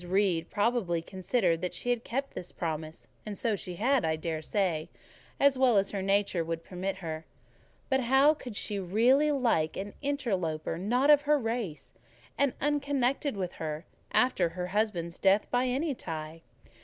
Reed probably considered she had kept this promise; and so she had, I dare say, as well as her nature would permit her; but how could she really like an interloper not of her race, and unconnected with her, after her husband's death, by any tie?